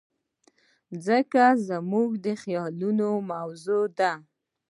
مځکه زموږ د خیالونو موضوع ده.